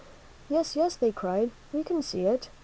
"Yes! yes! " they cried, "we can see it.